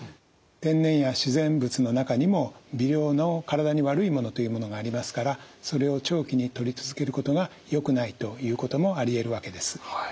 天然や自然物の中にも微量の体に悪いものというものがありますからそれを長期にとり続けることがよくないということもありえるわけです。